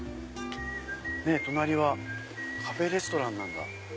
隣はカフェレストランなんだ。